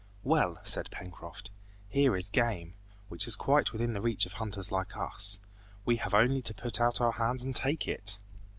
"Well," said Pencroft, "here is game, which is quite within the reach of hunters like us. We have only to put out our hands and take it!"